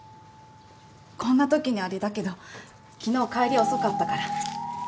こんなときにあれだけど昨日帰り遅かったから。